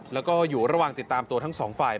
แล้วก็อยู่ระหว่างติดตามตัวทั้งสองฝ่าย